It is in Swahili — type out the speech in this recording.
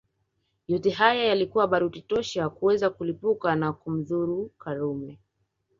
Yote haya yalikuwa baruti tosha kuweza kulipuka na kumdhuru Karume